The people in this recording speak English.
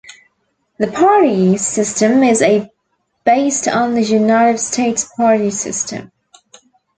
The party system is a based on the United States party system.